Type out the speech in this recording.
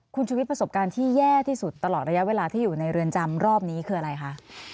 คุณชุวิตประสบการณ์ที่แย่ที่สุดตลอดระยะเวลาที่อยู่ในเรือนจำรอบนี้คืออะไรคะ